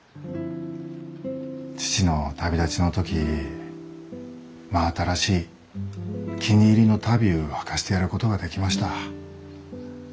父の旅立ちの時真新しい気に入りの足袋うはかせてやることができました。